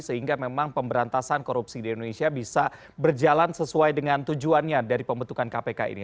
sehingga memang pemberantasan korupsi di indonesia bisa berjalan sesuai dengan tujuannya dari pembentukan kpk ini